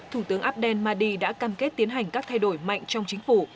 thủ tướng abdel mahdi đã cam kết tiến hành các thay đổi mạnh trong chính phủ